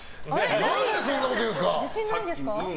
何でそんなことを言うんですか！